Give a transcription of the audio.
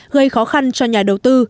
gây khó khăn cho nhà đầu tư